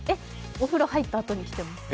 お風呂入ったあとに着てます。